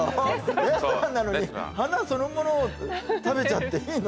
レストランなのに花そのものを食べちゃっていいの？